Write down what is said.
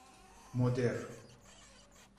مدر